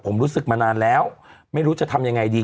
ผมรู้สึกมานานแล้วไม่รู้จะทำยังไงดี